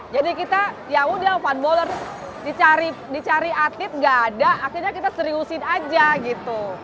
jadi kita yaudah fun bowler dicari atlet nggak ada akhirnya kita seriusin aja gitu